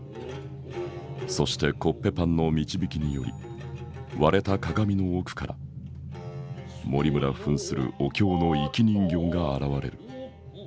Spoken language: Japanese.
そしてコッペパンの導きにより割れた鏡の奥から森村ふんするお京の生き人形が現れる。